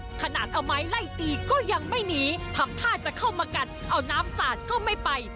ขนาดเอาไม้ไล่ตีก็ยังไม่หนีทำท่าจะเข้ามากัดเอาน้ำสาดก็ไม่ไป